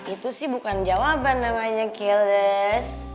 itu sih bukan jawaban namanya kildes